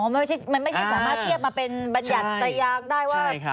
มันไม่ใช่สามารถเทียบมาเป็นบรรยากได้ว่า